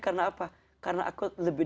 karena apa karena aku lebih